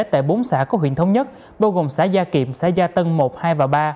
tại bốn xã của huyện thống nhất bao gồm xã gia kiệm xã gia tân một hai và ba